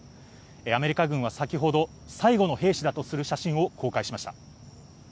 アメリカ軍は先ほど最後の兵士だとする写真を公開しました。